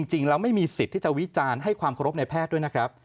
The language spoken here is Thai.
จริงแล้วไม่มีสิทธิ์ที่จะวิจารณ์ให้ความเคารพในแพทย์ด้วยนะครับ